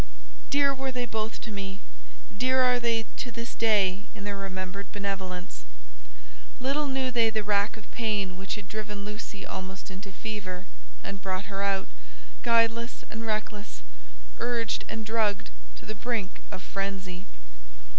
Dear were they both to me, dear are they to this day in their remembered benevolence. Little knew they the rack of pain which had driven Lucy almost into fever, and brought her out, guideless and reckless, urged and drugged to the brink of frenzy.